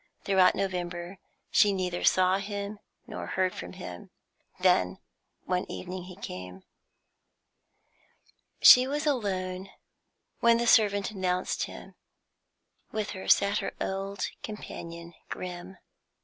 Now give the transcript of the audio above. Throughout November she neither saw him nor heard from him. Then one evening he came. She was alone when the servant announced him; with her sat her old companion, Grim.